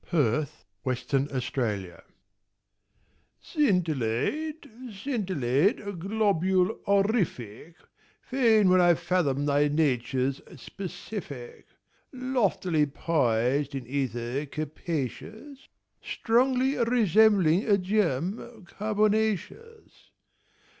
_ THE LITTLE STAR Scintillate, scintillate, globule orific, Fain would I fathom thy nature's specific. Loftily poised in ether capacious, Strongly resembling a gem carbonaceous.